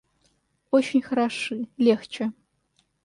Очень хороши, легче.